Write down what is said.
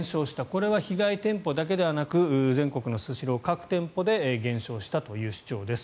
これは被害店舗だけではなく全国のスシロー各店舗で減少したという主張です。